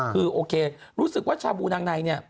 คือโอเครู้สึกว่าชาบูนางในเนี่ย